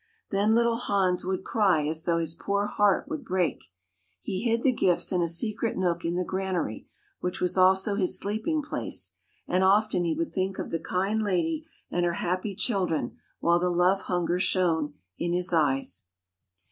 Then little Hans would cry as though his poor heart would break. He hid the gifts in a secret nook in the granary which was also his sleeping place and often he would think of the kind lady and her happy children while the love hunger shone in his eyes.